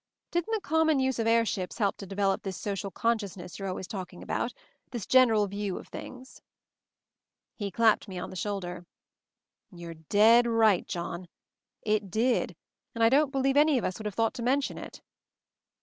Didn't the common ' use of airships help to develop this social consciousness you're always talking about — this general view of things ?" He clapped me on the shoulder. "You're dead right, John — it did, and I don't believe MOVING THE MOUNTAIN 179 any of us would have thought to mention it."